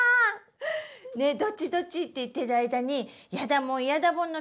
どっちどっちって言ってる間にやだもんやだもんの